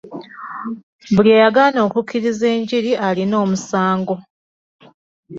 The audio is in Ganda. Buli eyagaana okukkiriza enjiri alina omusango.